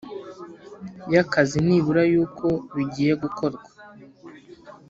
y akazi nibura y uko bigiye gukorwa